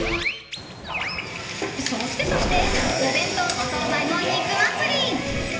そしてそしてお弁当、お総菜も肉祭り。